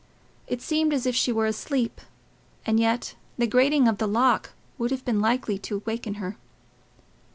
It seemed as if she were asleep, and yet the grating of the lock would have been likely to waken her.